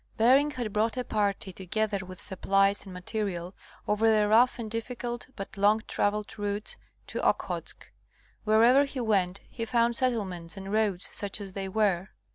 Bering had brought a party, together with supplies and ma terial, over the rough and difficult but long traveled routes to Okhotsk. Wherever he went he found settlements and roads such as they were.